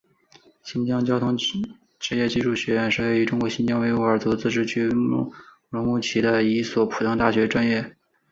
新疆交通职业技术学院是位于中国新疆维吾尔自治区乌鲁木齐市的一所普通大专院校。